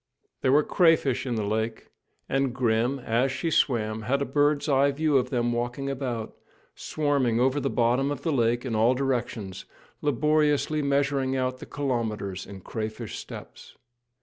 There were many crayfish in the lake, and Grim, as she swam, had a bird's eye view of them walking about, swarming over the bottom of the lake in all directions, laboriously measuring out the kilometres in crayfish steps.